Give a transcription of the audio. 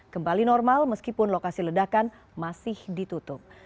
kembali normal meskipun lokasi ledakan masih ditutup